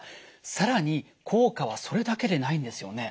更に効果はそれだけでないんですよね。